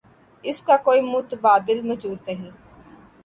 اس کا کوئی متبادل موجود نہیں۔